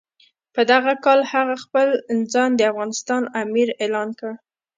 په دغه کال هغه خپل ځان د افغانستان امیر اعلان کړ.